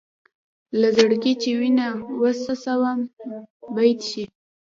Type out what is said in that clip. له زړګي چې وينه وڅڅوم بېت شي.